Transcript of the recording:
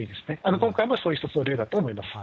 今回もそういう一つの例だと思います。